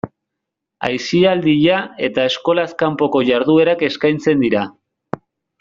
Aisialdia eta eskolaz kanpoko jarduerak eskaintzen dira.